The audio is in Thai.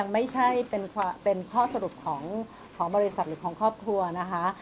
ไม่ใช่เป็นข้อสรุปของบริษัทหรือของครอบครัวนะคะ